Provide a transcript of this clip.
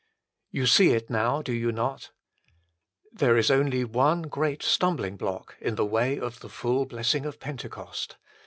You see it now, do you not ? There is only one great stumbling block in the way of the full blessing of Pentecost.